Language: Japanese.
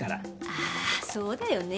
ああそうだよね。